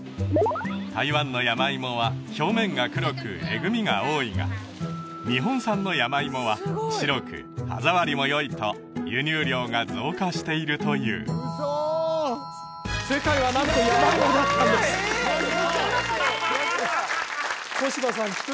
台湾の山芋は表面が黒くえぐみが多いが日本産の山芋は白く歯触りもよいと輸入量が増加しているという正解はなんと「山芋」だったんですえ！